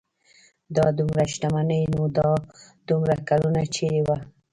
دا دومره شتمني نو دا دومره کلونه چېرې وه.